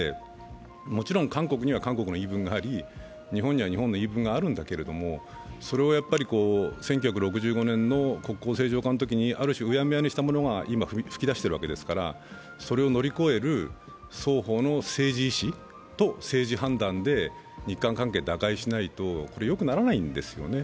もちろん韓国には韓国の言い分があり、日本には日本の言い分があるんだけれども、それを１９６５年の国交正常化のときにある種うやむやにしたものが今、噴き出しているわけですから、それを乗り越える双方の政治意思と政治判断で日韓関係打開しないとよくならないんですよね。